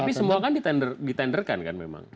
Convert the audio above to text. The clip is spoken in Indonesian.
tapi semua kan ditenderkan kan memang